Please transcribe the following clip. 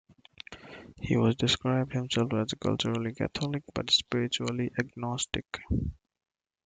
He has described himself as "culturally Catholic but spiritually agnostic".